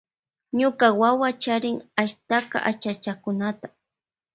Ñuka wawa charin ashtaka achachakunata.